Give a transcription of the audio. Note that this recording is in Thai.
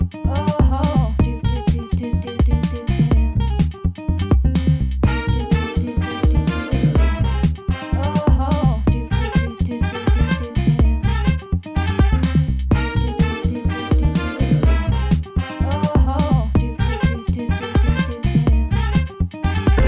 สวัสดีค่ะ